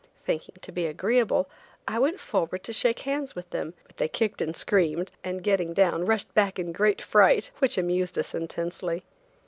Thinking to be agreeable, I went forward to shake hands with them, but they kicked and screamed, and getting down, rushed back in great fright, which amused us intensely.